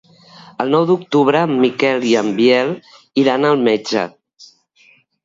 El nou d'octubre en Miquel i en Biel iran al metge.